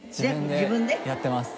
自分でやってます。